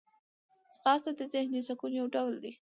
ځغاسته د ذهني سکون یو ډول دی